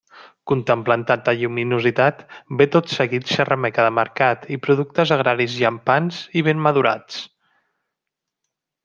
Contemplant tanta lluminositat, ve tot seguit xarrameca de mercat i productes agraris llampants i ben madurats.